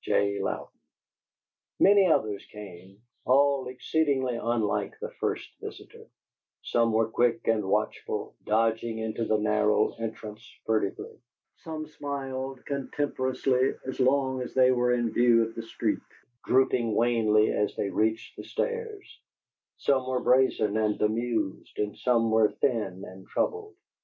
J. Louden." Many others came, all exceedingly unlike the first visitor: some were quick and watchful, dodging into the narrow entrance furtively; some smiled contemptuously as long as they were in view of the street, drooping wanly as they reached the stairs: some were brazen and amused; and some were thin and troubled.